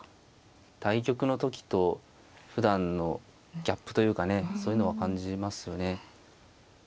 対局の時とふだんのギャップというかねそういうのは感じますね。